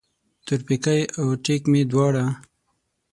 تورپیکی او ټیک مې دواړه